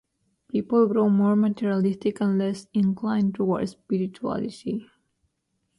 People grow more materialistic and less inclined towards spirituality.